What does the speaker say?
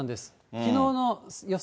きのうの予想